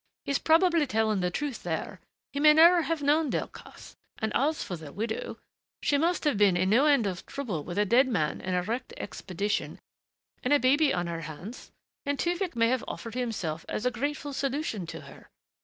He's probably telling the truth there he may never have known Delcassé. And as for the widow she must have been in no end of trouble with a dead man and a wrecked expedition and a baby on her hands, and Tewfick may have offered himself as a grateful solution to her.